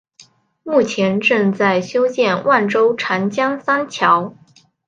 目前正在修建万州长江三桥。